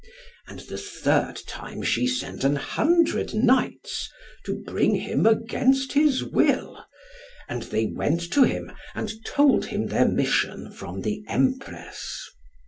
And the third time she sent an hundred knights to bring him against his will, and they went to him, and told him their mission from the Empress.